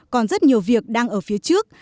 còn rất nhiều việc đang ở phía trước